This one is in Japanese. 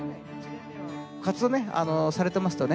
活動ねされてますとね